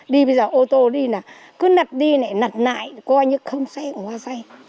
đi bây giờ ô tô đi là cứ nặt đi này nặt lại coi như không xe hoa xay